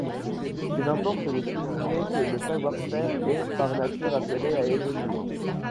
Il importe de souligner que le savoir-faire est, par nature, appelé à évoluer.